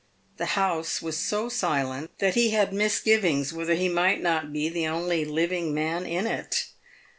The house was so silent, that he had mis givings whether he might not be the only living man in it.